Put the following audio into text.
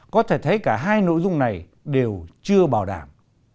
có thể thấy cả hai nội dung này đều chưa bảo đảm